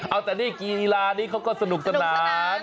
เอาแต่นี่กีฬานี้เขาก็สนุกสนาน